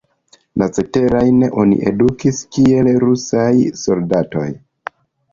La ceterajn oni edukis kiel rusaj soldatoj.